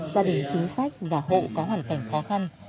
gia đình chính sách và hộ có hoàn cảnh khó khăn